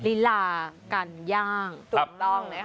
ลิลาการย่างตัวต้อง